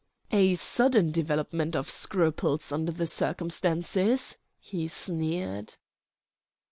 "A sudden development of scruples, under the circumstances," he sneered.